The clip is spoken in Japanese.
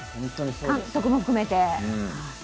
監督も含めて。